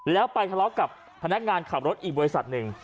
แล้วไปทะเลาะกับพนักงานขับรถอีกบริษัทหนึ่ง